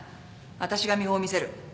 わたしが見本を見せる。